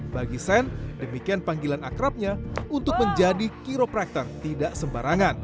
bagi sen demikian panggilan akrabnya untuk menjadi kiropraktor tidak sembarangan